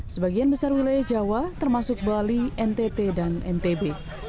sebagian besar wilayah jawa termasuk bali ntt dan ntb